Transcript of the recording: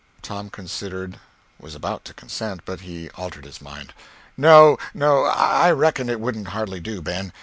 Tom considered, was about to consent; but he altered his mind: "No—no—I reckon it wouldn't hardly do, Ben.